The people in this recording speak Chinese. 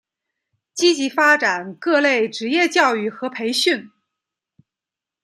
积极发展各类职业教育和培训。